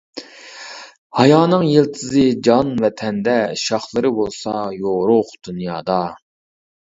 ھايانىڭ يىلتىزى جان ۋە تەندە، شاخلىرى بولسا يورۇق دۇنيادا.